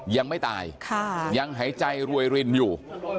ยังไม่ตายยังหายใจรวยรินอยู่